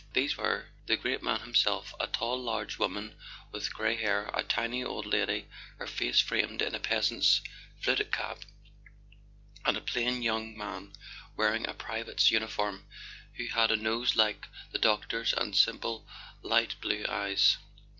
These were: the great man himself, a tall large woman with grey hair, a tiny old lady, her face framed in a peasant's fluted cap, and a plain young man wear¬ ing a private's uniform, who had a nose like the doc¬ tor's and simple light blue eyes.